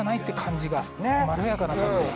まろやかな感じが。